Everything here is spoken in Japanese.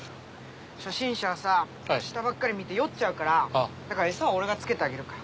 初心者はさ下ばっかり見て酔っちゃうからだからエサは俺がつけてあげるから。